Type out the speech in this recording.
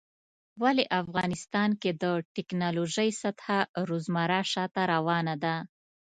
ولی افغانستان کې د ټيکنالوژۍ سطحه روزمره شاته روانه ده